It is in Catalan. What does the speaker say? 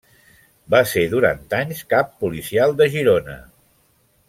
Va ser durant anys cap policial de Girona.